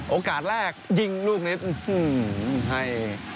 โอกาสแรกยิงลูกนี้อื้อหือให้